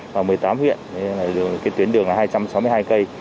vào một mươi tám huyện tuyến đường là hai trăm sáu mươi hai cây